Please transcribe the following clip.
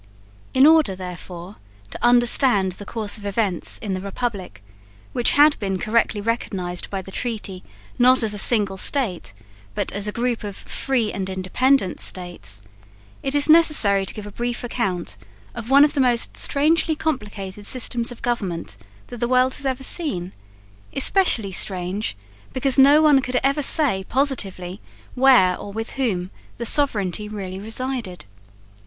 In order, therefore, to understand the course of events in the republic, which had been correctly recognised by the treaty not as a single state, but as a group of "free and independent States," it is necessary to give a brief account of one of the most strangely complicated systems of government that the world has ever seen especially strange because no one could ever say positively where or with whom the sovereignty really resided.